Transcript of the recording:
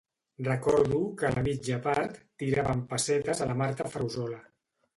Recordo que a la mitja part tiràvem pessetes a la Marta Ferrusola